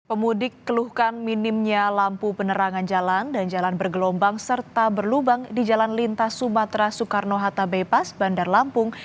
pemudik keluhkan minimnya lampu penerangan jalan dan jalan bergelombang serta berlubang di jalan lintas sumatera soekarno hatta bypass bandar lampung